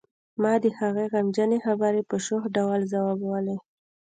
ما د هغې غمجنې خبرې په شوخ ډول ځوابولې